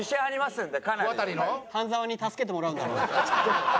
半沢に助けてもらうんだろ？